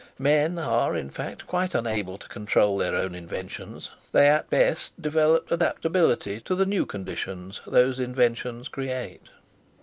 Men are, in fact, quite unable to control their own inventions; they at best develop adaptability to the new conditions those inventions create.